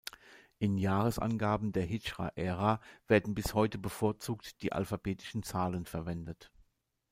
In Jahresangaben der Hidschra-Ära werden bis heute bevorzugt die alphabetischen Zahlen verwendet.